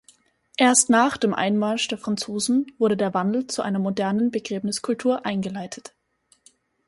Erst nach dem Einmarsch der Franzosen wurde der Wandel zu einer moderneren Begräbniskultur eingeleitet.